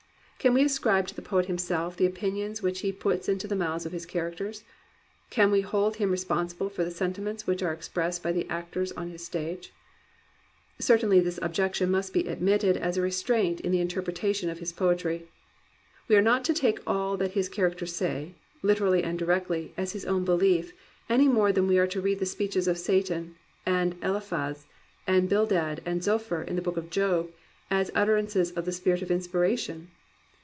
Can we ascribe to the poet himself the opinions which he puts into the mouths of his characters? Can we hold him responsible for the sentiments which are expressed by the actors on his stage ? Certainly this objection must be admitted as a restraint in the interpretation of his poetry. We are not to take all that his characters say, literally and directly, as his own belief, any more than we are to read the speeches of Satan, and Eliphaz, and Bildad, and Zophar, in the Book of Job, as utter ances of the spirit of inspiration.